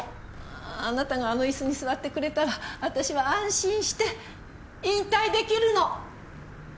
あなたがあの椅子に座ってくれたら私は安心して引退出来るの。